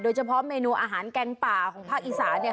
เฉพาะเมนูอาหารแกงป่าของภาคอีสาเนี่ย